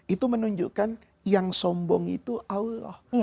itu menunjukkan yang sombong itu allah